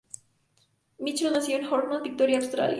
Mitchell nació en Horsham, Victoria, Australia.